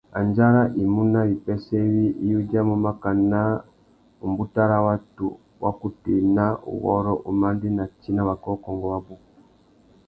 Andjara i mú nà wipêssê iwí i udjamú mákànà râ watu wa kutu ena, uwôrrô, umandēna tsi na wakōkôngô wabú.